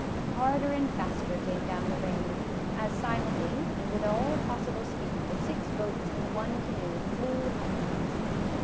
" Harder and faster came down the rain, as silently, and with all possible speed, the six boats and the one canoe flew homewards.